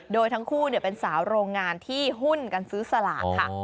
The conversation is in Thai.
โดยทั้งคู่เป็นสาวโรงงานที่หุ้นกันซื้อสลากค่ะ